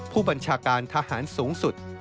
ผู้บัญชาการทหารสูงสุด